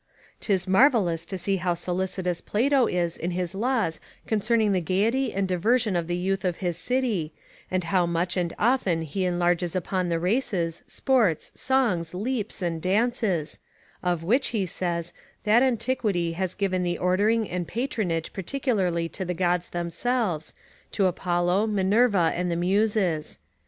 'Tis marvellous to see how solicitous Plato is in his Laws concerning the gaiety and diversion of the youth of his city, and how much and often he enlarges upon the races, sports, songs, leaps, and dances: of which, he says, that antiquity has given the ordering and patronage particularly to the gods themselves, to Apollo, Minerva, and the Muses.